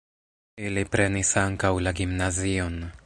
Ili prenis ankaŭ la gimnazion.